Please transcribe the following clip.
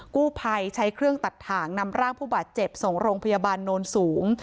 กู้ภัยใช้เครื่องตัดถ่างนำร่างผู้บาดเจ็บส่งโรงพยาบาลโนนสูง